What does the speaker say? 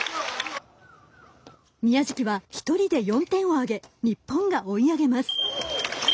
宮食は１人で４点を挙げて日本が追い上げます。